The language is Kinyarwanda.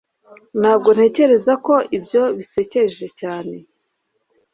ntabwo ntekereza ko ibyo bisekeje cyane